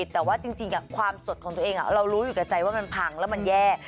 แต่ว่าจริงความสดของตัวเองเรารู้อยู่กับใจว่ามันพังแล้วมันแย่